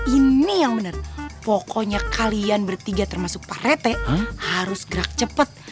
ini yang benar pokoknya kalian bertiga termasuk pak rete harus gerak cepat